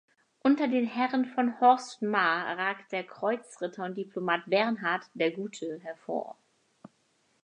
Unter den Herren von Horstmar ragt der Kreuzritter und Diplomat Bernhard der Gute hervor.